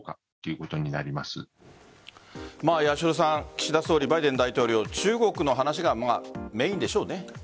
岸田総理バイデン大統領、中国の話がメインでしょうね。